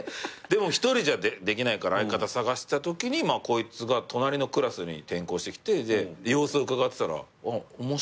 でも１人じゃできないから相方探してたときにこいつが隣のクラスに転校してきて様子をうかがってたらあっ面白いな。